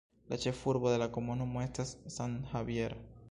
La ĉefurbo de la komunumo estas San Javier.